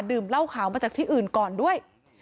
เหล้าขาวมาจากที่อื่นก่อนด้วย